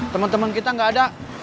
temen temen kita gak ada